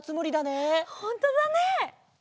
ほんとだね！